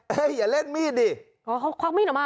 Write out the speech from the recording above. เฮ้ยอย่าเล่นมีดดิ